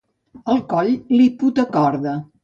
El coll li put a corda.